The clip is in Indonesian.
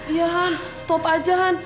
iya han stop aja han